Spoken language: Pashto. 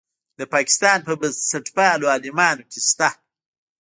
په پاکستان په بنسټپالو عالمانو کې شته.